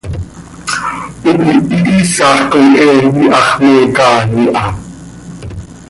Hipi hihiisax com he iihax me caai ha.